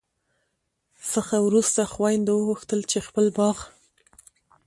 څخه وروسته خویندو وغوښتل چي د خپل باغ